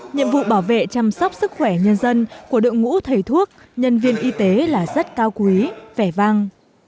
nhiệm vụ bảo vệ chăm sóc sức khỏe nhân dân của đội ngũ thầy thuốc nhân viên y tế là rất cao quý vẻ vang